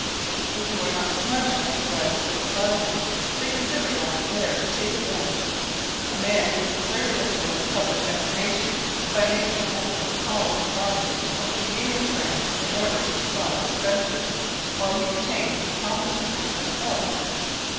If you are not smart enough to drive a close bargain, they consider it only fair to take you in. A man loses very little in the public estimation by making over all his property to some convenient friend, in order to defraud his creditors, while he retains a competency for himself.